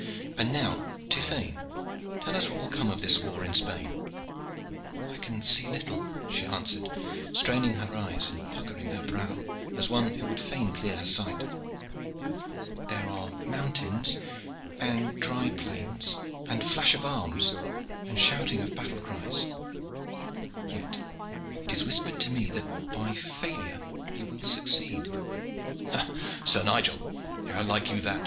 "And now, Tiphaine, tell us what will come of this war in Spain." "I can see little," she answered, straining her eyes and puckering her brow, as one who would fain clear her sight. "There are mountains, and dry plains, and flash of arms and shouting of battle cries. Yet it is whispered to me that by failure you will succeed." "Ha! Sir Nigel, how like you that?"